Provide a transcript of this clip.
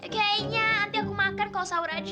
kayaknya nanti aku makan kalau sahur aja